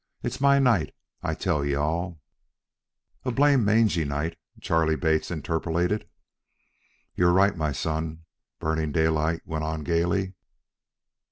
It's my night, I tell you all " "A blame mangy night," Charley Bates interpolated. "You're right, my son," Burning Daylight went on gaily.